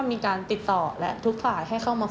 มีการติดต่อและทุกฝ่ายให้เข้ามา